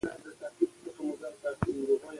ازادي راډیو د اقتصاد موضوع تر پوښښ لاندې راوستې.